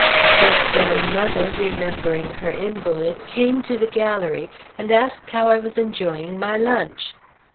Just then, mother, remembering her invalid, came to the gallery and asked how I was enjoying my lunch.